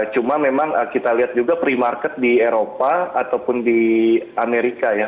cuma memang kita lihat juga pre market di eropa ataupun di amerika ya